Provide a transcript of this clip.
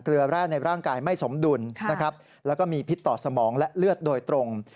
เรือแร่ในร่างกายไม่สมดุลนะครับแล้วก็มีพิษต่อสมองและเลือดโดยตรง